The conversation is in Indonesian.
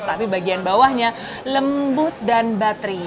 tapi bagian bawahnya lembut dan bateri